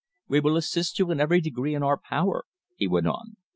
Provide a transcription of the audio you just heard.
We will assist you in every degree in our power," he went on.